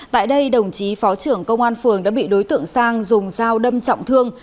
tại đây đồng chí phó trưởng công an phường đã bị đối tượng sang dùng dao đâm trọng thương